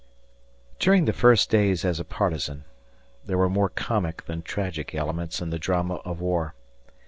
During the first days as a partisan, there were more comic than tragic elements in the drama of war.